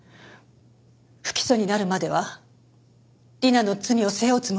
不起訴になるまでは理奈の罪を背負うつもりでした。